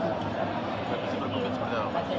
masih berpengalaman seperti apa